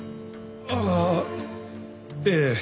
ああええ。